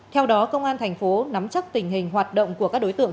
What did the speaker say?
theo đó công an thành phố nắm chắc tình hình hoạt động của các đối tượng